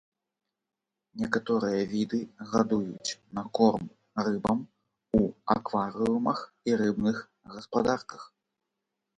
Некаторыя віды гадуюць на корм рыбам у акварыумах і рыбных гаспадарках.